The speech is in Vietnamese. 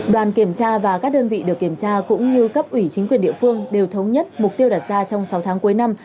đoàn kiểm tra và các đơn vị được kiểm tra cũng như cấp ủy chính quyền địa phương đều thống nhất mục tiêu đặt ra trong sáu tháng cuối năm